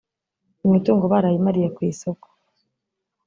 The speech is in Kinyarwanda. imitungo baramariye ku isoko